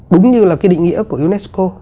đúng như là cái định nghĩa của unesco